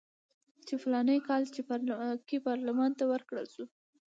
چې په فلاني کال کې پارلمان ته ورکړل شوي.